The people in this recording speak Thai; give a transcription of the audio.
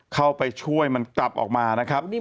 เข้าไปช่วยมันกลับออกมานะครับ